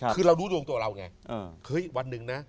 คือเรารู้ดวงตัวเราไงเฮ้ยวันหนึ่งนะ